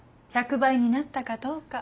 １００倍になったかどうか。